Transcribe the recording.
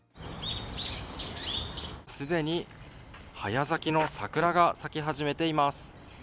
既に早咲きの桜が咲き始めています。